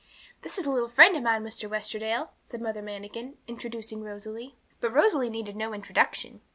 'This is a little friend of mine, Mr. Westerdale,' said Mother Manikin, introducing Rosalie. But Rosalie needed no introduction.